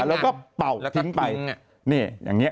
แล้วก็เป่าทิ้งไป